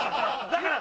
だから。